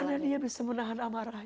karena dia bisa menahan amarah